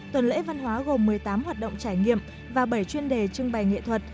tuần lễ văn hóa gồm một mươi tám hoạt động trải nghiệm và bảy chuyên đề trưng bày nghệ thuật